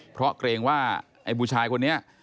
เพราะเกรงว่าไอ้ผู้ชายคนนี้